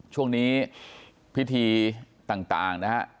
ช่วงนี้พิธีต่างนะฮะ